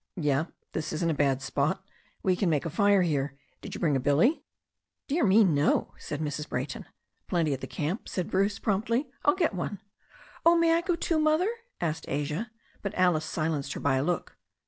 Yes, this isn't a bad spot. We can make a fire there. Did you bring a billy ?" "Dear me, no," said Mrs. Brayton. "Plenty at the camp," said Bruce promptly. "I'll get one." "Oh, may I go too, Mother?" asked Asia. But Alice silenced her by a look.